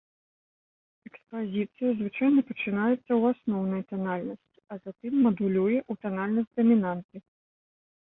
Экспазіцыя звычайна пачынаецца ў асноўнай танальнасці, а затым мадулюе ў танальнасць дамінанты.